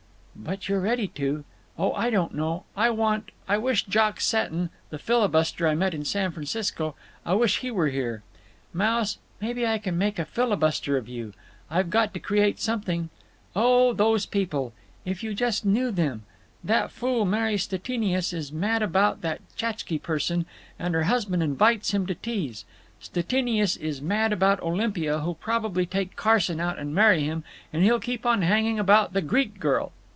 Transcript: "But you're ready to. Oh, I don't know. I want—I wish Jock Seton—the filibuster I met in San Francisco—I wish he were here. Mouse, maybe I can make a filibuster of you. I've got to create something. Oh, those people! If you just knew them! That fool Mary Stettinius is mad about that Tchatzsky person, and her husband invites him to teas. Stettinius is mad about Olympia, who'll probably take Carson out and marry him, and he'll keep on hanging about the Greek girl.